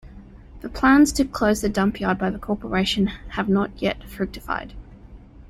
The plans to close the dumpyard by the corporation have not yet fructified.